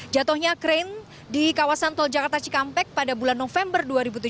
jatuhnya krain di kawasan tol jakarta cikampek pada bulan november dua ribu tujuh belas